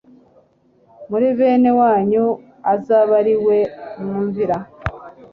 muri bene wanyu azabe ari we mwumvira'."